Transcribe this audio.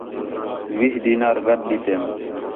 وِیہہ دینار گڈھ ݙِتیم